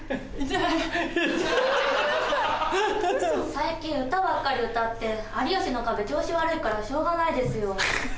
最近歌ばっかり歌って『有吉の壁』調子悪いからしょうがないですよ。